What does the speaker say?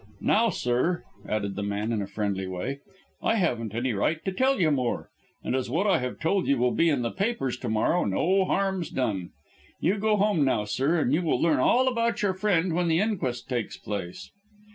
Now, sir," added the man in a friendly way, "I haven't any right to tell you more, and as what I have told you will be in the papers to morrow, no harm's done. You go home now, sir, and you'll learn all about your friend when the inquest takes place."